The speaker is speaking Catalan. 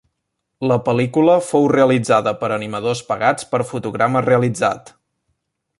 La pel·lícula fou realitzada per animadors pagats per fotograma realitzat.